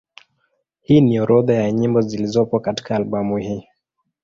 Hii ni orodha ya nyimbo zilizopo katika albamu hii.